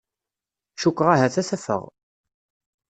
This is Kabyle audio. Cukkeɣ ahat ad t-afeɣ